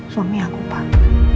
suami aku pak